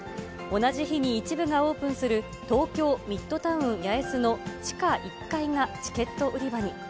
同じ日に一部がオープンする東京ミッドタウン八重洲の地下１階がチケット売り場に。